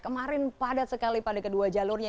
kemarin padat sekali pada kedua jalurnya